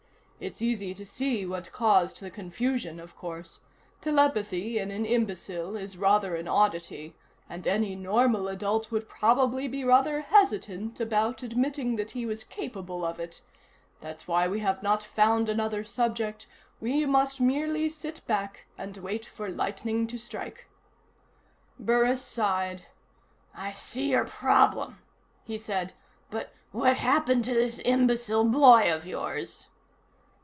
It's easy to see what caused the confusion, of course: telepathy in an imbecile is rather an oddity and any normal adult would probably be rather hesitant about admitting that he was capable of it. That's why we have not found another subject; we must merely sit back and wait for lightning to strike." Burris sighed. "I see your problem," he said. "But what happened to this imbecile boy of yours?"